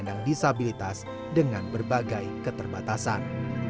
pendang disabilitas dengan berbagai keterbatasan